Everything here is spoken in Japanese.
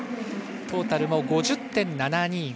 トータル５０．７２５。